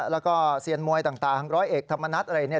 แล้วก็เซียนมวยต่างร้อยเอกธรรมนัฐอะไรเนี่ย